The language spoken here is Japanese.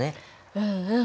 うんうん。